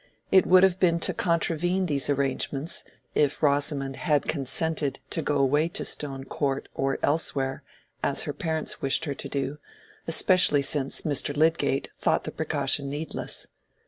It would have been to contravene these arrangements if Rosamond had consented to go away to Stone Court or elsewhere, as her parents wished her to do, especially since Mr. Lydgate thought the precaution needless.